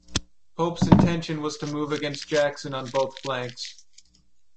Pope's intention was to move against Jackson on both flanks.